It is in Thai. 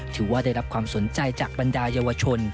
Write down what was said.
ถือว่าได้รับความสนใจจากบรรดาเยาวชน